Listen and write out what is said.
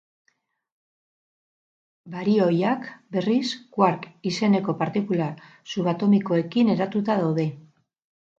Barioiak, berriz, quark izeneko partikula subatomikoekin eratuta daude.